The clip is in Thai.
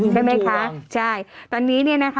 ใช่ไหมคะใช่